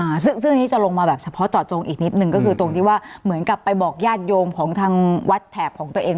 อ่าซึ่งซึ่งอันนี้จะลงมาแบบเฉพาะเจาะจงอีกนิดนึงก็คือตรงที่ว่าเหมือนกับไปบอกญาติโยมของทางวัดแถบของตัวเอง